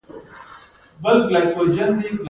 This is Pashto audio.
ایا زه باید کچالو وخورم؟